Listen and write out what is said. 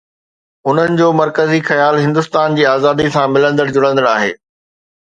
ان جو مرڪزي خيال هندستان جي آزاديءَ سان ملندڙ جلندڙ آهي